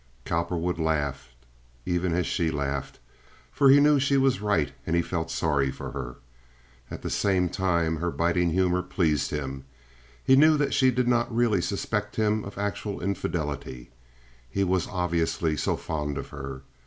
Cowperwood laughed even as she laughed, for he knew she was right and he felt sorry for her. At the same time her biting humor pleased him. He knew that she did not really suspect him of actual infidelity; he was obviously so fond of her.